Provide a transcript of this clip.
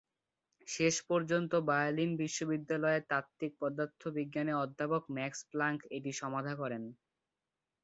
শেষ পর্যন্ত বার্লিন বিশ্ববিদ্যালয়ের তাত্ত্বিক পদার্থবিজ্ঞানের অধ্যাপক মাক্স প্লাংক এটি সমাধা করেন।